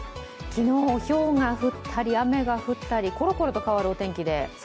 昨日、ひょうが降ったり雨が降ったり、ころころと変わるお天気で。